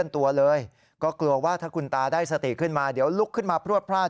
ถ้าคุณตาได้สติขึ้นมาเดี๋ยวลุกขึ้นมาพรวดพร่าว